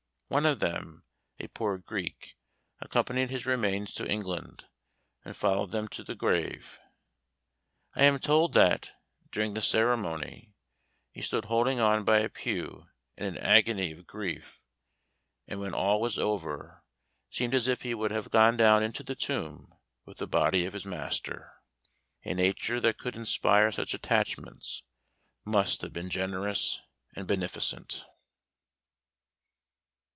One of them, a poor Greek, accompanied his remains to England, and followed them to the grave. I am told that, during the ceremony, he stood holding on by a pew in an agony of grief, and when all was over, seemed as if he would have gone down into the tomb with the body of his master. A nature that could inspire such attachments, must have been generous and beneficent.